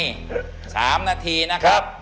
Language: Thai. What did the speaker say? ๓นาทีนะครับ